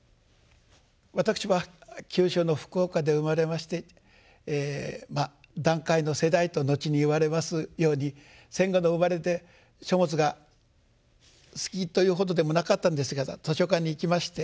私は九州の福岡で生まれまして団塊の世代と後に言われますように戦後の生まれで書物が好きというほどでもなかったんですが図書館に行きまして。